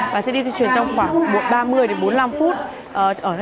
và sẽ đi tuyên truyền trong khoảng ba mươi đến bốn mươi năm phút ở các trường